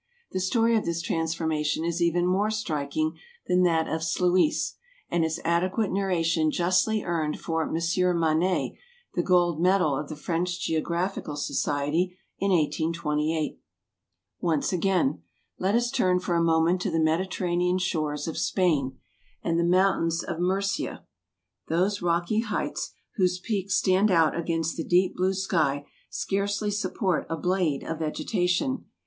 The story of this transformation is even more striking than that of Sluys, and its adequate narration justly earned for M. Manet the gold medal of the French Geographical Society in 1828. Once again. Let us turn for a moment to the Mediterranean shores of Spain, and the mountains of Murcia. Those rocky heights, whose peaks stand out against the deep blue sky, scarcely support a blade of vegetation.